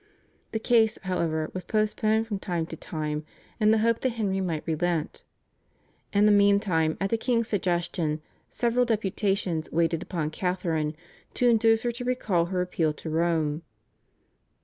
The case, however, was postponed from time to time in the hope that Henry might relent. In the meantime at the king's suggestion several deputations waited upon Catharine to induce her to recall her appeal to Rome.